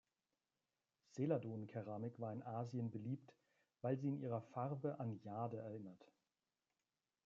Seladon-Keramik war in Asien beliebt, weil sie in ihrer Farbe an Jade erinnert.